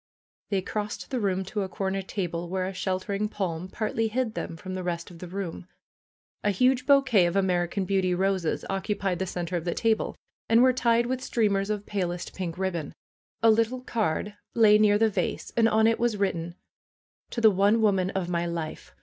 They crossed the room to a corner table where a sheltering palm partly hid them from the rest of the room. A huge bouquet of American Beauty roses oc cupied the center of the table, and were tied with streamers of palest pink ribbon. A little card lay near the vase, and on it was written ''To the one woman of my life